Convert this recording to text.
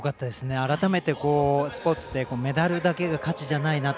改めて、スポーツってメダルだけが価値じゃないなと。